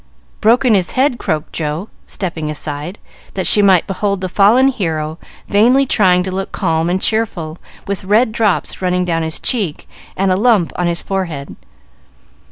"Broken his head," croaked Joe, stepping aside, that she might behold the fallen hero vainly trying to look calm and cheerful with red drops running down his cheek and a lump on his forehead.